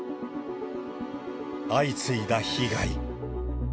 相次いだ被害。